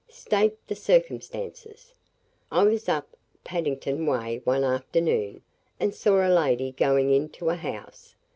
"State the circumstances." "I was up Paddington way one afternoon, and saw a lady going into a house.